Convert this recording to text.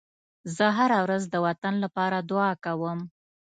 زه هره ورځ د وطن لپاره دعا کوم.